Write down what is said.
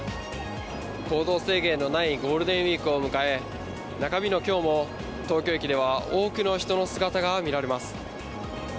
行動制限のないゴールデンウィークを迎え、中日のきょうも、東京駅では多くの人の姿が見られます。